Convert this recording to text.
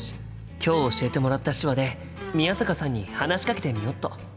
今日教えてもらった手話で宮坂さんに話しかけてみよっと！